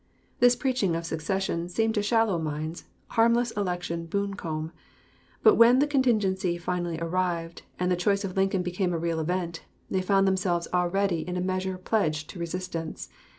This preaching of secession seemed to shallow minds harmless election buncombe; but when the contingency finally arrived, and the choice of Lincoln became a real event, they found themselves already in a measure pledged to resistance.